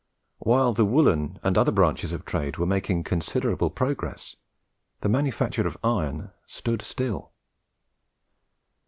While the woollen and other branches of trade were making considerable progress, the manufacture of iron stood still.